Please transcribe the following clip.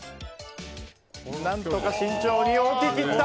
何とか慎重に置ききった！